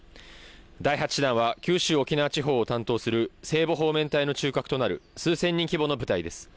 第８師団は九州・沖縄地方を担当する西部方面隊の中核となる数千人規模の部隊です。